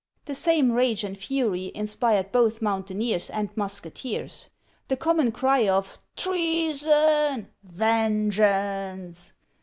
The same rage and fury inspired both mountaineers and musketeers ; the common cry of " Treason I Vengeance